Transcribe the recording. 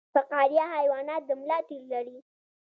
فقاریه حیوانات د ملا تیر لري